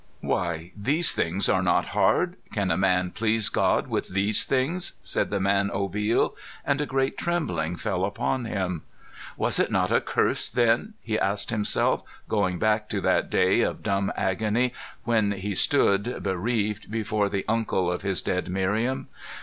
"Why, these things are not hard! Can a man please God with these things?" said the man Obil, and a great trembling fell upon him. "Was it not a Curse, then?" he asked himself, going back to that day of dumb agony when he stood, bereaved, before the uncle of his dead Miriam.